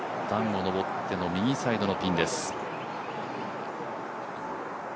段を上っての右サイドのピンです。